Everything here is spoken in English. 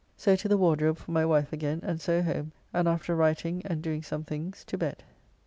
So to the Wardrobe for my wife again, and so home, and after writing and doing some things to bed.